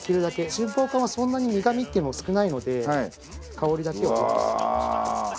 春峰柑はそんなに苦みって少ないので香りだけを入れます。